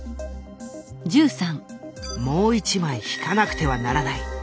もう一枚引かなくてはならない。